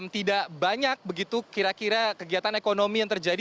tidak banyak begitu kira kira kegiatan ekonomi yang terjadi